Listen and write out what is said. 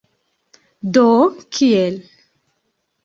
Do, kiel?